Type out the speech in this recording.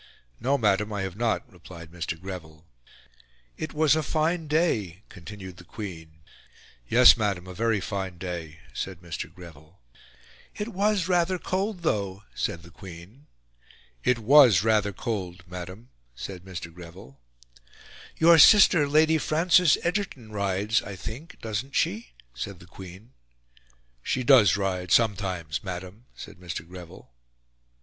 "No, Madam, I have not," replied Mr. Greville. "It was a fine day," continued the Queen. "Yes, Madam, a very fine day," said Mr. Greville. "It was rather cold, though," said the Queen. "It was rather cold, Madam," said Mr. Greville. "Your sister, Lady Frances Egerton, rides, I think, doesn't she?" said the Queen. "She does ride sometimes, Madam," said Mr. Greville.